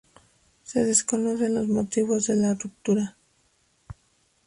Se desconocen los motivos de la ruptura.